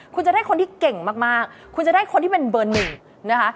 คุณจะได้คนที่เก่งมากคุณจะได้คนที่เป็นเบอร์หนึ่งนะคะ